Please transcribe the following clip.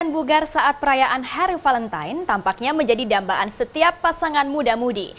bugar saat perayaan hari valentine tampaknya menjadi dambaan setiap pasangan muda mudi